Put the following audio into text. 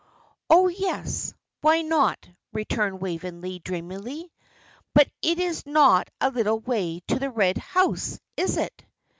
"Oh, yes, why not?" returned Waveney, dreamily. "But it is not a little way to the Red House, is it?"